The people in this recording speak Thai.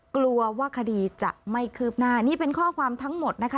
กลัวว่าคดีจะไม่คืบหน้านี่เป็นข้อความทั้งหมดนะคะ